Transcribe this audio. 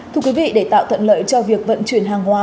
thưa quý vị để tạo thuận lợi cho việc vận chuyển hàng hóa